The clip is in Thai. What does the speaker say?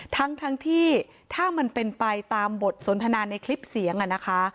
ทั้งที่ถ้ามันเป็นไปตามบทสนทนาในคลิปเสียงนะคะ